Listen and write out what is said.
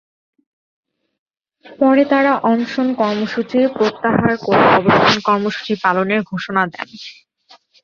পরে তাঁরা অনশন কর্মসূচি প্রত্যাহার করে অবস্থান কর্মসূচি পালনের ঘোষণা দেন।